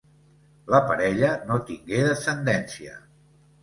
La parella no tingué descendència.